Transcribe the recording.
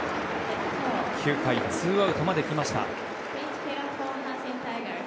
９回、ツーアウトまで来ました。